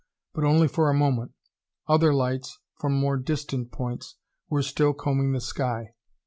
But only for a moment. Other lights, from more distant points, were still combing the sky.